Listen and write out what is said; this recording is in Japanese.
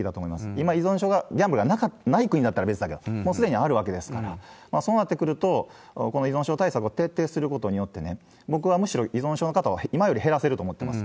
今、依存症が、ギャンブルがない国だったら別だけど、もうすでにあるわけですから、そうなってくると、この依存症対策を徹底することによって、僕はむしろ依存症の方は今より減らせると思ってます。